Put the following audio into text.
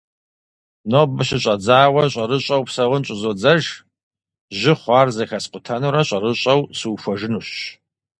Нобэ щыщӏэдзауэ, щӏэрыщӏэу псэун щӏызодзэж. Жьы хъуар зэхэскъутэнурэ щӏэрыщӏэу сухуэжынущ.